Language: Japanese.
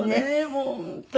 もう本当に。